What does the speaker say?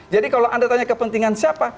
jadi kalau anda tanya kepentingan siapa